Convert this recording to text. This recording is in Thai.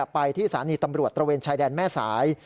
ไปที่สถานีตำรวจตระเวนชายแดนแม่สาย